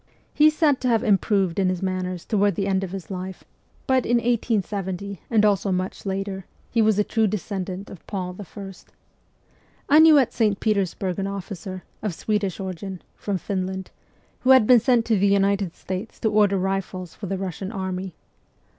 He is said to have improved in his manners toward VOL. I. N 178 MEMOIRS OF A REVOLUTIONIST the end of his life, but in 1870, and also much later, he was a true descendant of Paul I. I knew at St. Peters burg an officer, of Swedish origin (from Finland), who had been sent to the United States to order rifles for the Eussian army.